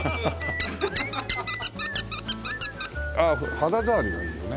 ああ肌触りがいいよね。